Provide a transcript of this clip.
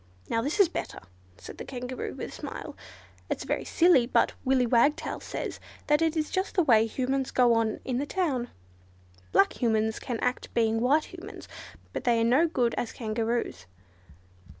"Now this is better!" said the Kangaroo, with a smile. "It's very silly, but Willy Wagtail says that is just the way Humans go on in the town. Black Humans can act being white Humans, but they are no good as Kangaroos."